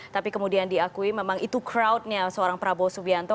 tapi kemudian diakui memang itu crowdnya seorang prabowo subianto